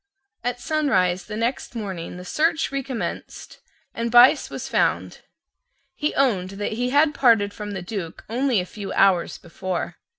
At sunrise the next morning the search recommenced, and Buyse was found. He owned that he had parted from the Duke only a few hours before.